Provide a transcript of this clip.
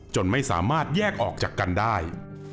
ไม่สามารถแยกออกจากกันได้